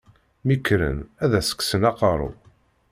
Mi kren ad as-kksen aqerru!